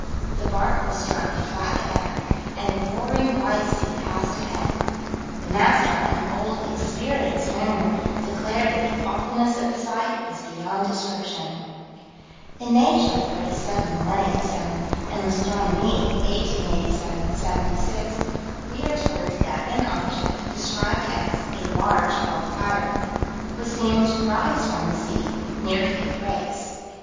The bark was struck flat aback, and "a roaring, white sea passed ahead." "The master, an old, experienced mariner, declared that the awfulness of the sight was beyond description." In Nature, 37 187, and L'Astronomie; 1887 76, we are told that an object, described as "a large ball of fire," was seen to rise from the sea, near Cape Race.